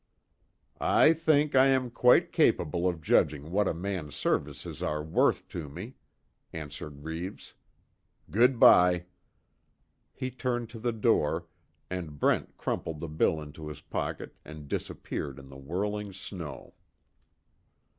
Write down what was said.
"I think I am quite capable of judging what a man's services are worth to me," answered Reeves, "Good bye." He turned to the door, and Brent crumpled the bill into his pocket and disappeared in the whirling snow.